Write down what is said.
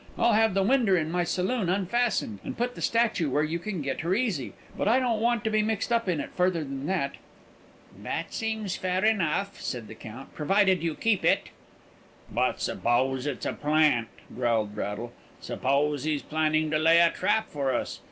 I'll have the winder in my saloon unfastened, and put the statue where you can get her easy; but I don't want to be mixed up in it further than that." "That seems fair enough," said the Count, "provided you keep to it." "But suppose it's a plant?" growled Braddle. "Suppose he's planning to lay a trap for us?